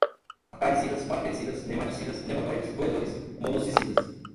acaricidas, bactericidas, nematicidas, nematoides, roedores, moluscicidas